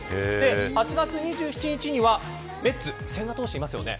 ８月２７日にはメッツ千賀投手、いますよね。